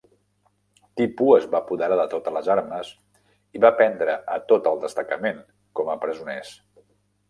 Tipu es va apoderar de totes les armes i va prendre a tot el destacament com a presoners.